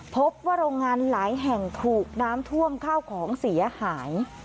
พบว่าโรงงานหลายแห่งถูกน้ำท่วมข้าวของเสียหาย